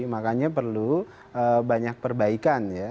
makanya perlu banyak perbaikan ya